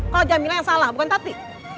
kalau jamila yang salah bukan tati